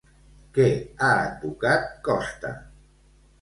Què ha advocat Costa?